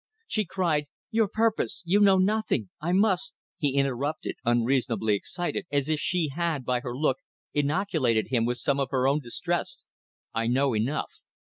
She cried "Your purpose! You know nothing. I must ..." He interrupted unreasonably excited, as if she had, by her look, inoculated him with some of her own distress. "I know enough."